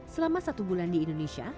selama satu bulan di indonesia